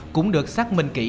cũng được xác minh kỹ